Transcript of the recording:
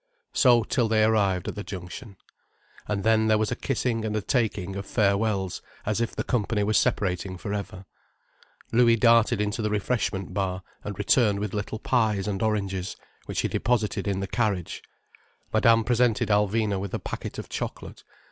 So till they arrived at the junction. And then there was a kissing and a taking of farewells, as if the company were separating for ever. Louis darted into the refreshment bar and returned with little pies and oranges, which he deposited in the carriage, Madame presented Alvina with a packet of chocolate.